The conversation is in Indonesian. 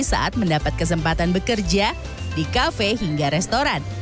saat mendapat kesempatan bekerja di kafe hingga restoran